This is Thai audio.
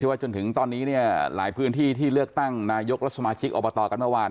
ว่าจนถึงตอนนี้เนี่ยหลายพื้นที่ที่เลือกตั้งนายกและสมาชิกอบตกันเมื่อวาน